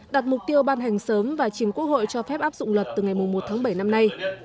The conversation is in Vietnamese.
đặt mục tiêu ban hành sớm và chính quốc hội cho phép áp dụng luật từ ngày một tháng bảy năm nay